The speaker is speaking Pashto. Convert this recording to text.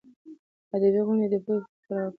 ادبي غونډې د پوهې د خپراوي وسیله ده.